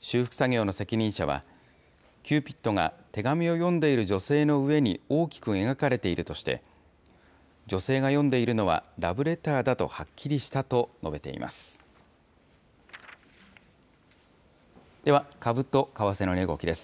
修復作業の責任者は、キューピッドが手紙を読んでいる女性の上に大きく描かれているとして、女性が読んでいるのはラブレターだとはっきりしたと述べています。